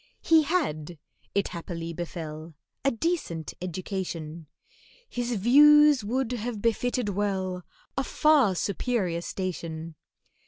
(He'd had, it happily befell, A decent education, His views would have befitted well A far superior station.)